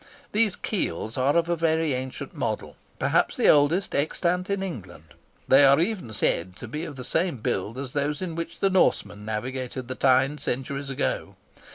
These keels are of a very ancient model,—perhaps the oldest extant in England: they are even said to be of the same build as those in which the Norsemen navigated the Tyne centuries ago.